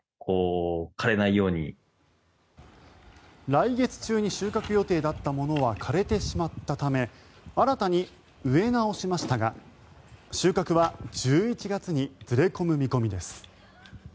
来月中に収穫予定だったものは枯れてしまったため新たに植え直しましたが、収穫は１１月にずれ込む見込みです。